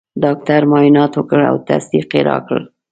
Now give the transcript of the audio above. ډاکټر معاینات وکړل او تصدیق یې راکړ.